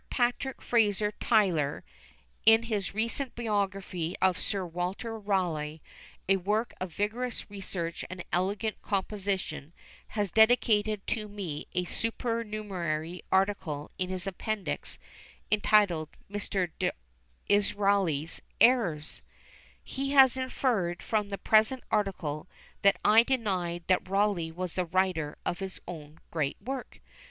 PATRICK FRASER TYTLER, in his recent biography of Sir Walter Rawleigh, a work of vigorous research and elegant composition, has dedicated to me a supernumerary article in his Appendix, entitled Mr. D'Israeli's Errors! He has inferred from the present article, that I denied that Rawleigh was the writer of his own great work!